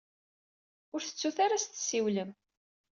Ur tettut ara ad as-tessiwlem.